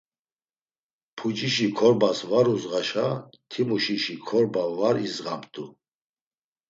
Pucişi korbas var udzğaşa, timuşişi korba var idzğamt̆u.